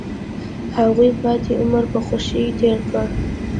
هغوی پاتې عمر په خوښۍ تیر کړ.